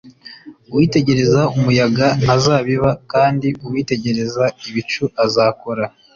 uwitegereza umuyaga ntazabiba kandi uwitegereza ibicu azakora